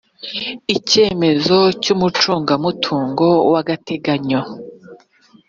icyifuzo cy’umucungamutungo w’agateganyo